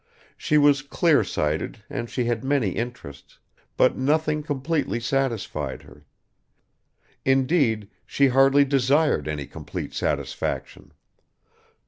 She was clear sighted and she had many interests, but nothing completely satisfied her; indeed, she hardly desired any complete satisfaction.